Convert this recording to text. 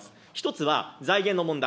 １つは財源の問題。